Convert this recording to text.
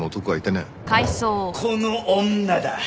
この女だ！